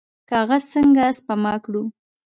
کاغذ څنګه سپما کړو؟